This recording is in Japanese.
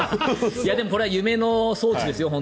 これは夢の装置ですよ。